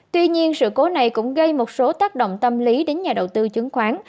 tuy nhiên sự cố này cũng gây một số tác động tâm lý đến nhà đầu tư chứng khoán